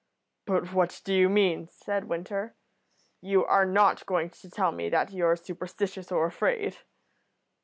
"But what do you mean?" said Winter. "You are not going to tell me that you're superstitious or afraid?"